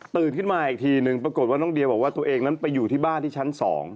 ขึ้นมาอีกทีนึงปรากฏว่าน้องเดียบอกว่าตัวเองนั้นไปอยู่ที่บ้านที่ชั้น๒